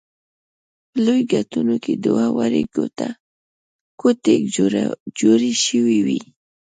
په لویو ګټونو کې دوه وړې کوټې جوړې شوې وې.